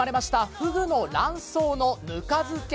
ふぐの卵巣のぬか漬け。